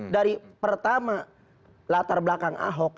dari pertama latar belakang ahok